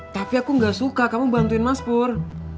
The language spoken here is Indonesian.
tapi aku gak suka kamu bantuin mas pur